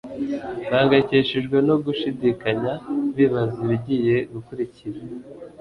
bahangayikishijwe no gushidikanya bibaza ibigiye gukurikira.